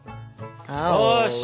よし！